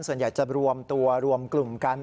ส่วนใหญ่จะรวมตัวรวมกลุ่มกัน